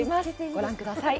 ご覧ください。